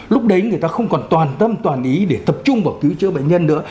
lúc đấy người ta không còn toàn tâm toàn ý để tập trung vào cứu chữa bệnh nhân nữa